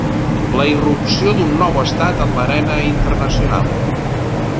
La irrupció d'un nou estat en l'arena internacional.